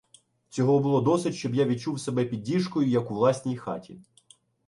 Цього було досить, щоб я відчув себе під діжкою як у власній хаті.